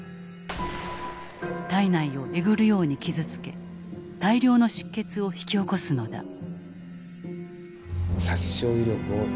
体内をえぐるように傷つけ大量の出血を引き起こすのだ。